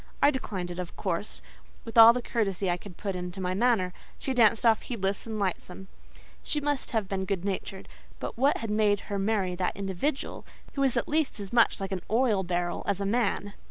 I declined it of course, with all the courtesy I could put into my manner; she danced off heedless and lightsome. She must have been good natured; but what had made her marry that individual, who was at least as much like an oil barrel as a man?